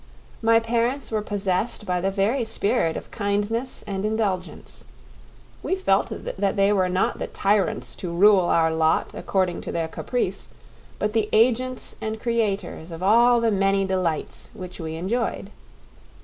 My parents were possessed by the very spirit of kindness and indulgence. We felt that they were not the tyrants to rule our lot according to their caprice, but the agents and creators of all the many delights which we enjoyed.